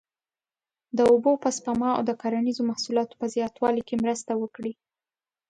د اوبو په سپما او د کرنیزو محصولاتو په زیاتوالي کې مرسته وکړي.